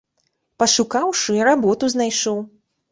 Пашукаўшы, і работу знайшоў.